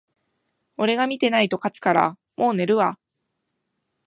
俺が見てないと勝つから、もう寝るわ